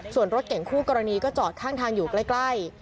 ส่วนรถเก่งคู่กรณีก็จอดข้างทางอยู่ใกล้